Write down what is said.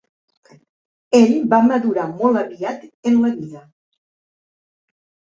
Ell va madurar molt aviat en la vida.